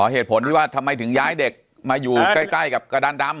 เหตุผลที่ว่าทำไมถึงย้ายเด็กมาอยู่ใกล้กับกระดานดำ